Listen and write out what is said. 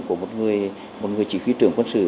của một người chỉ huy trưởng quân sự